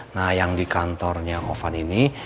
nah yang di kantornya ovan ini